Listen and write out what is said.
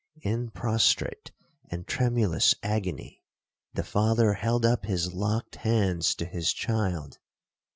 'In prostrate and tremulous agony, the father held up his locked hands to his child.